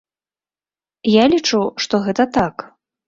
Я лічу, што гэта так.